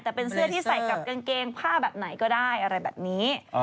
แต่เป็นเสื้อที่ใส่กับกางเกงผ้าแบบไหนก็ได้อะไรแบบนี้